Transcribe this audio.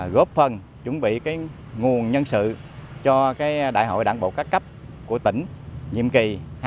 góp phần chuẩn bị nguồn nhân sự cho đại hội đảng bộ các cấp của tỉnh nhiệm kỳ hai nghìn hai mươi hai nghìn hai mươi năm